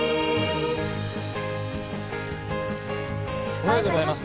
おはようございます。